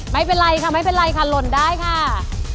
ไม่เป็นไรค่ะไม่เป็นไรค่ะหล่นได้ค่ะ